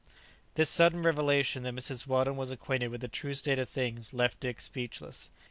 This sudden revelation that Mrs. Weldon was acquainted with the true state of things left Dick speechless.